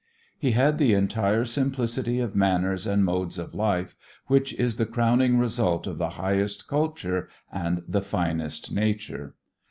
He had that entire simplicity of manners and modes of life which is the crowning result of the highest culture and the finest nature.